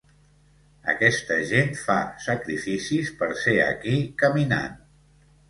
Aquesta gent fa sacrificis per ser aquí caminant.